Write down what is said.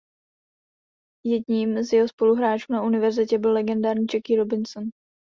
Jedním z jeho spoluhráčů na univerzitě byl legendární Jackie Robinson.